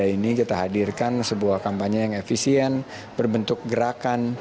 sebagai pilihan kampanye kita hadirkan sebuah kampanye yang efisien berbentuk gerakan